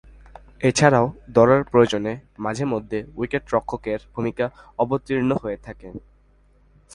এছাড়াও, দলের প্রয়োজনে মাঝেমধ্যে উইকেট-রক্ষকের ভূমিকায় অবতীর্ণ হয়ে থাকেন।